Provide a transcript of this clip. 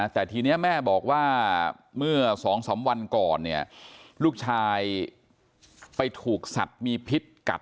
แต่ทีนี้แม่บอกว่าเมื่อ๒๓วันก่อนเนี่ยลูกชายไปถูกสัตว์มีพิษกัด